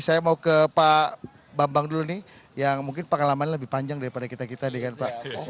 saya mau ke pak bambang dulu nih yang mungkin pengalaman lebih panjang daripada kita kita nih kan pak